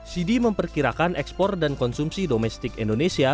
cd memperkirakan ekspor dan konsumsi domestik indonesia